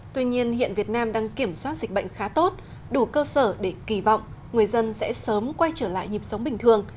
tuy nhiên hiện việt nam đang kiểm soát dịch bệnh khá tốt đủ cơ sở để kỳ vọng người dân sẽ sớm quay trở lại nhịp sống bình thường